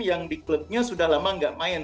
yang di klubnya sudah lama nggak main